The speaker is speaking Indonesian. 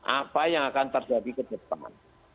apa yang akan terjadi ke depan